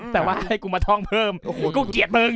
แต่ว่าให้กูมาท่องเพิ่มกูเกลียดมึง